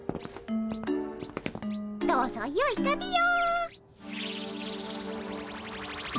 どうぞよい旅を。